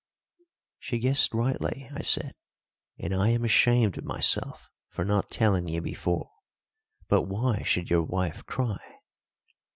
"She guessed rightly," I said, "and I am ashamed of myself for not telling you before. But why should your wife cry?"